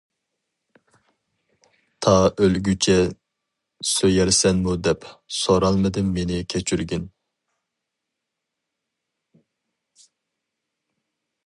تا ئۆلگۈچە سۆيەرسەنمۇ دەپ، سورالمىدىم مېنى كەچۈرگىن.